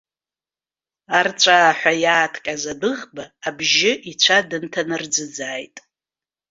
Арҵәааҳәа иааҭҟьаз адәыӷба абжьы ицәа дынҭанарӡыӡааит.